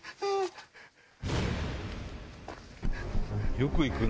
よく行くね。